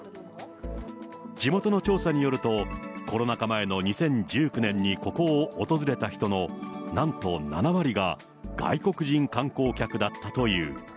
地元の調査によると、コロナ禍前の２０１９年にここを訪れた人のなんと７割が、外国人観光客だったという。